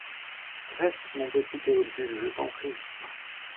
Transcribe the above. Reste, mon petit Théodule, je t’en prie.